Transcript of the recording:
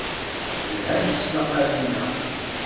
Lhant tesmaqqalin-a.